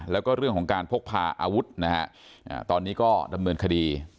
แล้วก็เรื่องของการพกพาอาวุธนะฮะตอนนี้ก็ดำเนินคดี